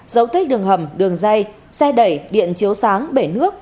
dấu tích đường hầm đường dây xe đẩy điện chiếu sáng bể nước